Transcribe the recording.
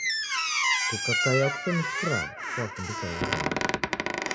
kukakaia kusenisikragha kuafundishwa ni wurumwengu